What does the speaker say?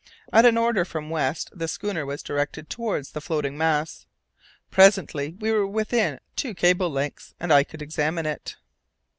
At an order from West the schooner was directed towards the floating mass; presently we were within two cables' length, and I could examine it.